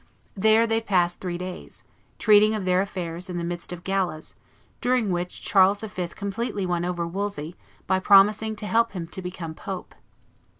There they passed three days, treating of their affairs in the midst of galas, during which Charles V. completely won over Wolsey by promising to help him to become pope.